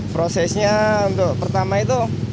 prosesnya untuk pertama itu